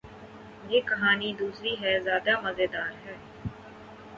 یہ کہانی دوسرے سے زیادو مزیدار ہے